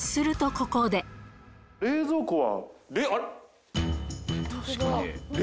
冷蔵庫は？